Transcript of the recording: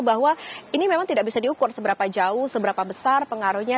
bahwa ini memang tidak bisa diukur seberapa jauh seberapa besar pengaruhnya